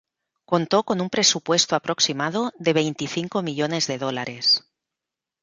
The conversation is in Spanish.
Contó con un presupuesto aproximado de veinticinco millones de dólares.